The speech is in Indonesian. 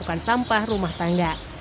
kumpukan sampah rumah tangga